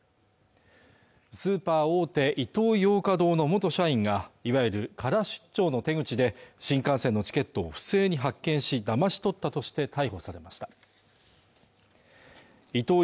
スーパー大手イトーヨーカ堂の元社員がいわゆるカラ出張の手口で新幹線のチケットを不正に発券しだまし取ったとして逮捕されましたイトー